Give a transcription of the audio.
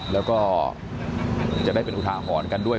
แล้วก็จะได้เป็นอุทาหรณ์กันด้วย